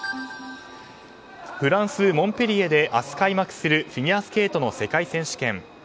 フランス・モンペリエで明日開幕するフィギュアスケートの世界選手権。